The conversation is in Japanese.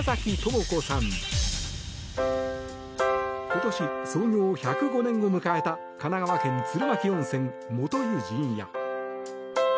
今年、創業１０５年を迎えた神奈川県鶴巻温泉、元湯陣屋。